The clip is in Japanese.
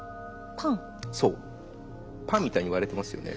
パンみたいに割れてますよね？